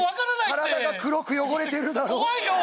体が黒く汚れてるだろ怖いよ！